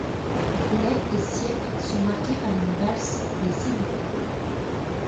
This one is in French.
Les et siècles sont marqués par une valse des seigneurs.